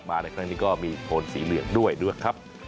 ในครั้งนี้ก็มีโทนสีเหลืองด้วยด้วยครับ